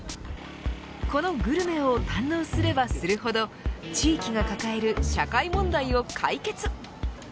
このグルメを堪能すればするほど地域が抱える社会問題を解決。